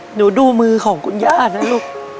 หนูดูมือของคุณย่านะลูก